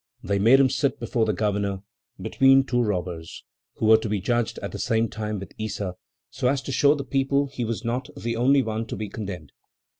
They made him sit before the governor, between two robbers, who were to be judged at the same time with Issa, so as to show the people he was not the only one to be condemned.